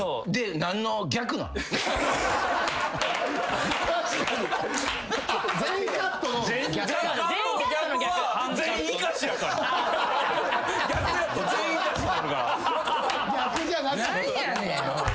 何やねん。